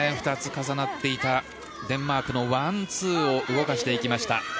２つ重なっていたデンマークのワン、ツーを動かしていきました。